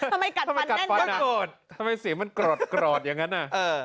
ทำไมกัดปันอ่ะทำไมสีมันกรอดอย่างนั้นอ่ะ